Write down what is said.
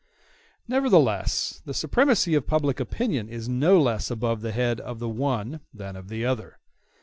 ]] Nevertheless, the supremacy of public opinion is no less above the head of the one than of the other.